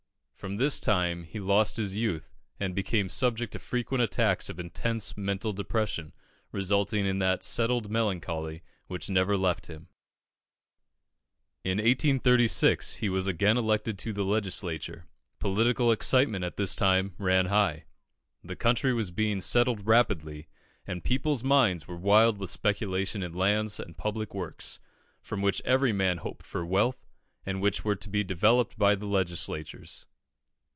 From this time he lost his youth, and became subject to frequent attacks of intense mental depression, resulting in that settled melancholy which never left him. In 1836, he was again elected to the Legislature. Political excitement at this time ran high. The country was being settled rapidly, and people's minds were wild with speculation in lands and public works, from which every man hoped for wealth, and which were to be developed by the legislators.